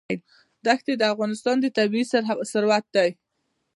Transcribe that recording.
دښتې د افغانستان طبعي ثروت دی.